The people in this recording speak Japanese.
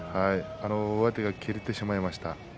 上手が切れてしまいました。